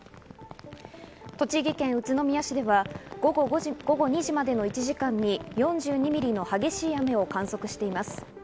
栃木県宇都宮市では午後２時までの１時間に４２ミリの激しい雨を観測しています。